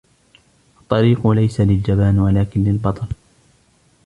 الطريق ليس للجبان ولكن للبطل.